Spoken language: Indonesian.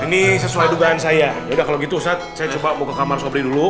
ini sesuai dugaan saya ya udah kalau gitu sobri saya coba buka kamar sobri dulu